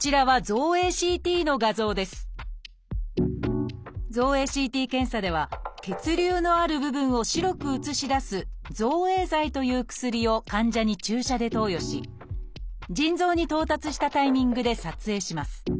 造影ＣＴ検査では血流のある部分を白く写し出す「造影剤」という薬を患者に注射で投与し腎臓に到達したタイミングで撮影します